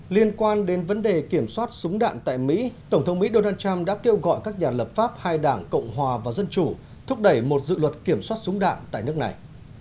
liên quan đến vấn đề kiểm soát súng đạn tại mỹ tổng thống mỹ donald trump đã kêu gọi các nhà lập pháp hai đảng cộng hòa và dân chủ thúc đẩy một dự luật kiểm soát súng đạn tại nước này